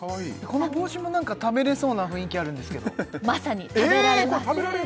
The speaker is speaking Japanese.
この帽子も何か食べれそうな雰囲気あるんですけどまさに食べられますえ